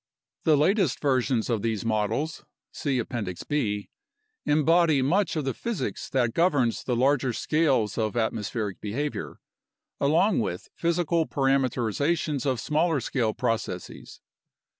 The latest versions of these models (see Appendix B) embody much of the physics that governs the larger scales of atmospheric behavior, along with physical parameterization s of smaller scale processes.